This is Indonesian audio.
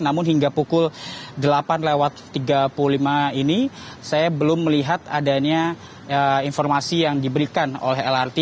namun hingga pukul delapan lewat tiga puluh lima ini saya belum melihat adanya informasi yang diberikan oleh lrt